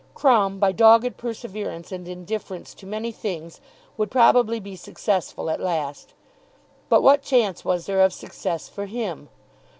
Crumb, by dogged perseverance and indifference to many things, would probably be successful at last. But what chance was there of success for him?